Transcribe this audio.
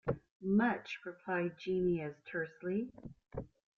Much, replied Jeanne, as tersely.